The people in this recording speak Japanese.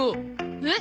えっ？